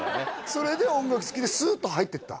それで音楽好きでスーッと入っていった？